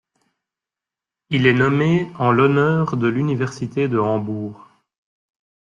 Il est nommé en l'honneur de l'université de Hambourg.